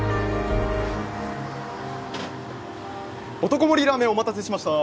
男盛りらーめんお待たせしました！